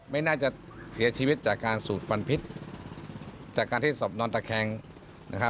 ไม่น่าจะเสียชีวิตจากการสูดฟันพิษจากการที่ศพนอนตะแคงนะครับ